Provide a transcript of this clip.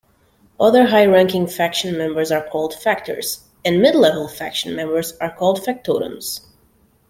Other high-ranking faction members are called Factors, and mid-level faction members are called Factotums.